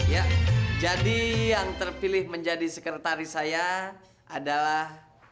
ya jadi yang terpilih menjadi sekretaris saya adalah